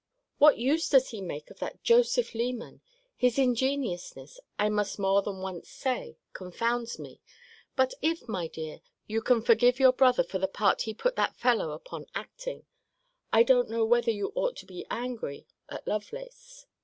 What use does he make of that Joseph Leman! His ingenuousness, I must more than once say, confounds me; but if, my dear, you can forgive your brother for the part he put that fellow upon acting, I don't know whether you ought to be angry at Lovelace.